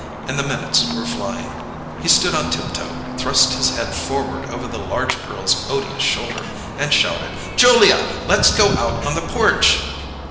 And the minutes were flying. He stood on tiptoe, thrust his head forward over the large girl's odious shoulder, and shouted: "Julia! Let's go out on the porch!"